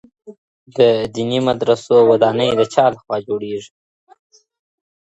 د دیني مدرسو ودانۍ د چا لخوا جوړیږي؟